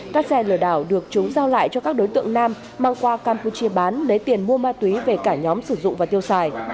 các xe lừa đảo được chúng giao lại cho các đối tượng nam mang qua campuchia bán lấy tiền mua ma túy về cả nhóm sử dụng và tiêu xài